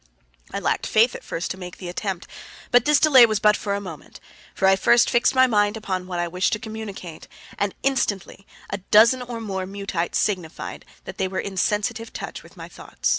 I lacked faith at first to make the attempt, but this delay was but for a moment, for I first fixed my mind upon what I wished to communicate, and instantly a dozen or more Muteites signified that they were in sensitive touch with my thought.